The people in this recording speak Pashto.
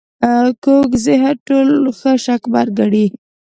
کوږ ذهن ټول ښه شکمن ګڼي